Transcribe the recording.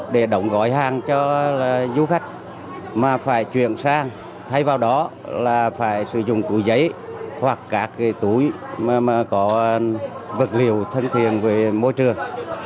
để đóng gói hàng cho du khách mà phải chuyển sang thay vào đó là phải sử dụng túi giấy hoặc các túi mà có vật liệu thân thiện với môi trường